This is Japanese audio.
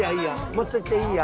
持ってっていいよ。